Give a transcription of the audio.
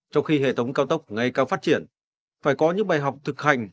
trong khi hệ thống cao tốc ngày càng phát triển phải có những bài học thực hành